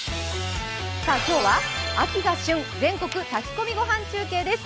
今日は秋が旬、全国炊き込みご飯中継です。